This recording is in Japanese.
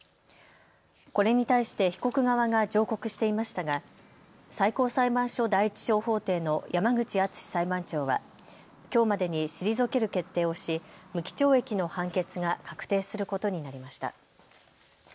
これに対して被告側が上告していましたが最高裁判所第１小法廷の山口厚裁判長はきょうまでに退ける決定をし無期懲役の判決が確定することになりました。